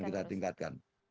ini akan ditingkatkan terus